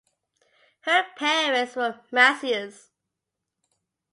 Her parents were masseurs.